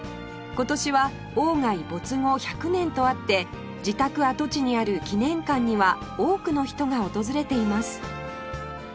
今年は外没後１００年とあって自宅跡地にある記念館には多くの人が訪れています